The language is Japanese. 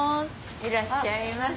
いらっしゃいませ。